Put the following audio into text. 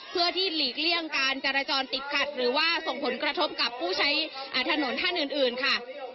เพื่อที่หลีกเลี่ยงการจราจรติดขัดหรือว่าส่งผลกระทบกับผู้ใช้ถนนท่านอื่นค่ะ